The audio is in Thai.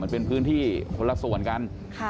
มันเป็นพื้นที่คนละส่วนกัน